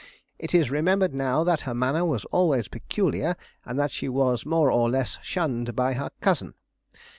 It is remembered now that her manner was always peculiar, and that she was more or less shunned by her cousin.